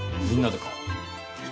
みんなでか。